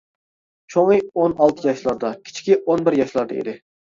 چوڭى ئون ئالتە ياشلاردا، كىچىكى ئون بىر ياشلاردا ئىدى.